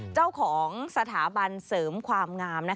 เจ้าของสถาบันเสริมความงาม